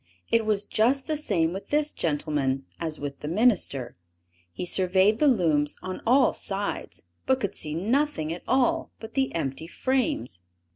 It was just the same with this gentleman as with the minister; he surveyed the looms on all sides, but could see nothing at all but the empty frames.